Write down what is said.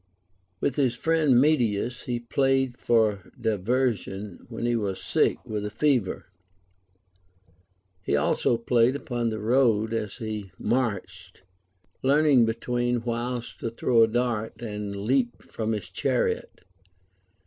AVith his friend Medius he played for diversion when he was sick with a fever, lie also phiyed upon the road as he marched, learning between Λν1ι11ο& to throw a dart and leap from his chariot.